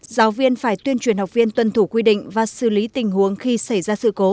giáo viên phải tuyên truyền học viên tuân thủ quy định và xử lý tình huống khi xảy ra sự cố